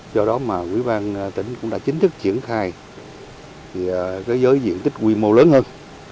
do đó mà quý bang tỉnh cũng đã chính thức triển khai cái giới diện tích quy mô lớn hơn